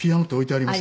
あります。